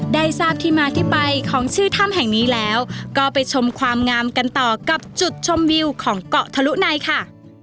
ได้ทราบที่มาที่ไปของชื่อถ้ำแห่งนี้แล้วก็ไปชมความงามกันต่อกับจุดชมวิวของเกาะทะลุในค่ะ